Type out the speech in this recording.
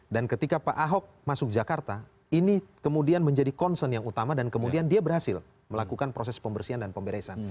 dan ketika pak ahok masuk jakarta ini kemudian menjadi concern yang utama dan kemudian dia berhasil melakukan proses pembersihan dan pemberesan